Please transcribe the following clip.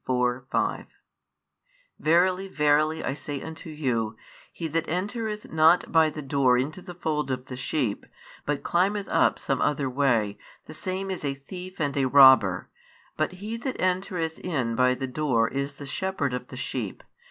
x. 1, 2, 3, 4, 5 Verily, verily, I say unto you, He that entereth not by the door into the fold of the sheep, but climbeth up some other way, the same is a thief and a robber. But he that entereth in by the door is the shepherd of the sheep.